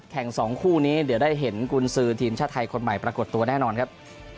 ๒คู่นี้เดี๋ยวได้เห็นกุญสือทีมชาติไทยคนใหม่ปรากฏตัวแน่นอนครับ